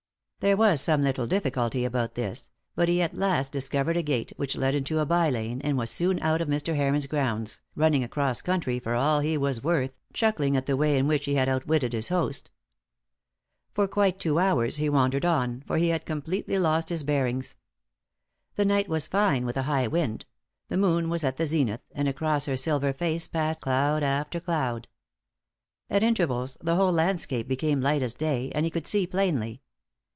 There was some little difficulty about this; but he at last discovered a gate, which led into a by lane, and was soon out of Mr. Heron's grounds, running across country for all he was worth, chuckling at the way in which he had outwitted his host. For quite two hours he wandered on; for he had completely lost his bearings. The night was fine with a high wind; the moon was at the zenith, and across her silver face passed cloud after cloud. At intervals the whole landscape became light as day, and he could see plainly.